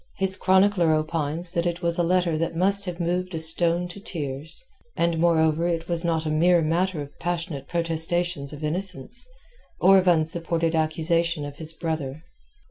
His chronicler opines that it was a letter that must have moved a stone to tears. And, moreover, it was not a mere matter of passionate protestations of innocence, or of unsupported accusation of his brother.